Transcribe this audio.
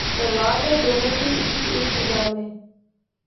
پرواز ہے دونوں کی اسی ایک فضا میں